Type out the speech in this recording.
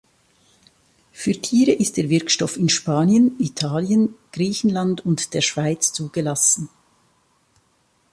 Für Tiere ist der Wirkstoff in Spanien, Italien, Griechenland und der Schweiz zugelassen.